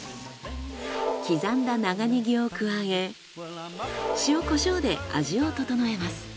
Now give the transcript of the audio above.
刻んだ長ネギを加え塩・コショウで味を調えます。